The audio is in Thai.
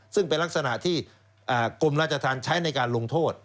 ซึ่งเป็นลักษณะที่กรมราชธรรมใช้ในการลงโทษ